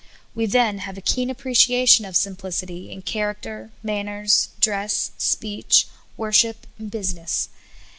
We then have a keen appreciation of simplicity in character, manners, dress, speech, worship, business.